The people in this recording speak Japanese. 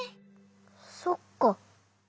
そっか。